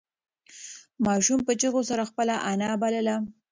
ماشوم په چیغو سره خپله انا بلله.